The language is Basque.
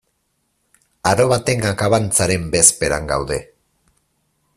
Aro baten akabantzaren bezperan gaude.